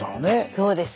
そうです。